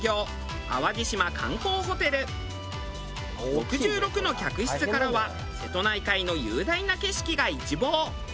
６６の客室からは瀬戸内海の雄大な景色が一望。